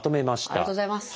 ありがとうございます。